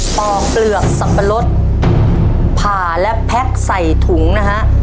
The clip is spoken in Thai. ปอกเปลือกสับปะรดผ่าและแพ็คใส่ถุงนะฮะ